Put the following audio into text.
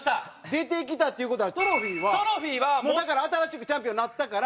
出てきたっていう事はトロフィーはもうだから新しくチャンピオンになったから。